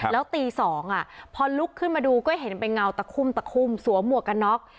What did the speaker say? แล้วตี๒พอลุกขึ้นมาดูก็เห็นเป็นเงาตะคุ่มตะคุ่มสวมหมวกกันน็อก